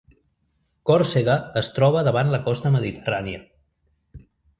Còrsega es troba davant la costa mediterrània.